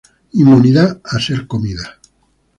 Inmunidad a ser comida.